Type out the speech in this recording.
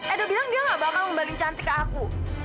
edo bilang dia gak bakal ngembalin cantik ke aku